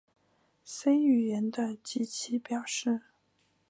C 语言的机器表示